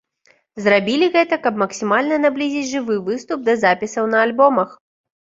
Зрабілі гэта, каб максімальна наблізіць жывы выступ да запісаў на альбомах.